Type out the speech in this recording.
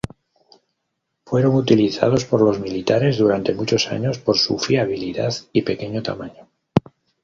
Fueron utilizados por los militares durante muchos años por su fiabilidad y pequeño tamaño.